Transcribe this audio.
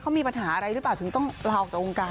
เขามีปัญหาอะไรหรือเปล่าถึงต้องลาออกจากวงการ